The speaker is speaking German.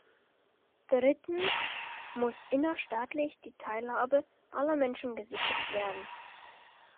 Drittens muss innerstaatlich die Teilhabe aller Menschen gesichert werden.